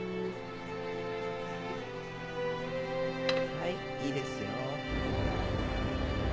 はいいいですよ。